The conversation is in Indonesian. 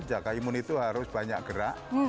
jaga imun itu harus banyak gerak